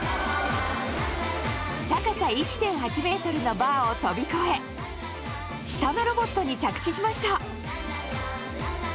高さ１．８メートルのバーを飛び越え下のロボットに着地しました。